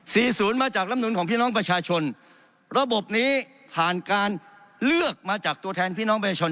ศูนย์มาจากลำนุนของพี่น้องประชาชนระบบนี้ผ่านการเลือกมาจากตัวแทนพี่น้องประชาชน